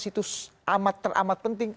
itu amat teramat penting